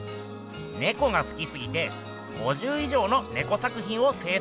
ネコがすきすぎて５０以上のネコ作品を制作したっす。